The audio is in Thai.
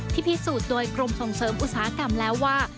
พิสูจน์โดยกรมส่งเสริมอุตสาหกรรมแล้วว่า